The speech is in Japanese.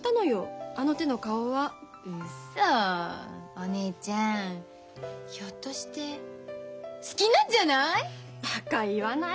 お姉ちゃんひょっとして好きなんじゃない？